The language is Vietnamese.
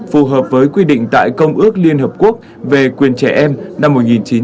phù hợp với quy định tại công ước liên hợp quốc về quyền trẻ em năm một nghìn chín trăm tám mươi hai